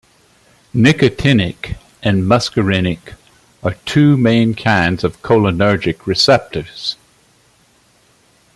Nicotinic and muscarinic are two main kinds of "cholinergic" receptors.